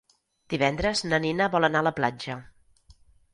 Divendres na Nina vol anar a la platja.